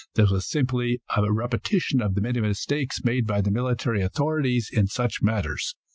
This was simply a repetition of the many mistakes made by the military authorities in such matters.